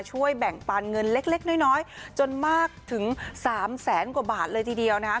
ช่วยแบ่งปันเงินเล็กน้อยจนมากถึง๓แสนกว่าบาทเลยทีเดียวนะคะ